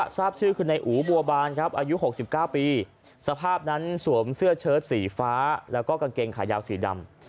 ทราบชื่อคือนายอูบัวบานครับอายุ๖๙ปีสภาพนั้นสวมเสื้อเชิดสีฟ้าแล้วก็กางเกงขายาวสีดำ